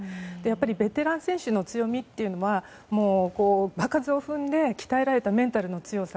ベテラン選手の強みというのは場数を踏んで鍛えられたメンタルの強さ。